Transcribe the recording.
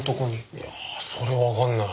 いやそれはわかんない。